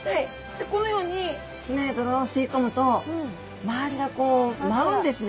でこのように砂や泥を吸い込むと周りがこう舞うんですね